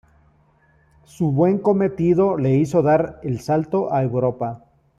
Su buen cometido le hizo dar el salto a Europa.